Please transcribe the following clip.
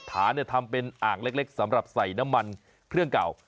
ฐานทำเป็นอ่างเล็กสำหรับใส่น้ำมันเครื่องเก่า